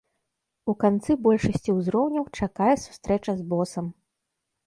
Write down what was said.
У канцы большасці ўзроўняў чакае сустрэча з босам.